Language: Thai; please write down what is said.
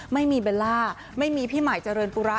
ไม่มีเบลล่าไม่มีพี่ไหม่จะเรินปูระ